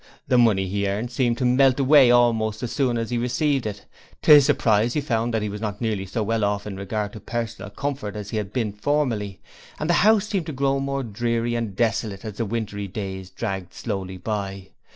The money he earned seemed to melt away almost as soon as he received it; to his surprise he found that he was not nearly so well off in regard to personal comfort as he had been formerly, and the house seemed to grow more dreary and desolate as the wintry days dragged slowly by.